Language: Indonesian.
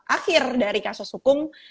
akhir dari kasus hukum